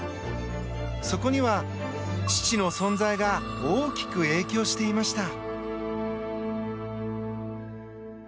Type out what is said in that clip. そこには父の存在が大きく影響していました。